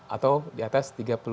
atau di atas tiga puluh tujuh dua